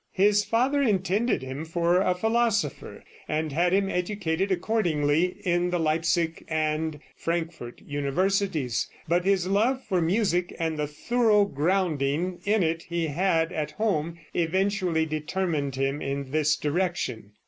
His father intended him for a philosopher, and had him educated accordingly in the Leipsic and Frankfort universities, but his love for music and the thorough grounding in it he had at home eventually determined him in this direction.